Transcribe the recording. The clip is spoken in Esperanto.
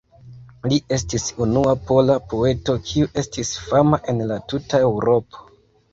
Li estis unua pola poeto kiu estis fama en la tuta Eŭropo.